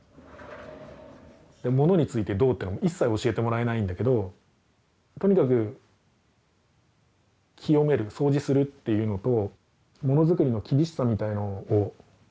ものについてどうって一切教えてもらえないんだけどとにかく清める掃除するっていうのとものづくりの厳しさみたいのを。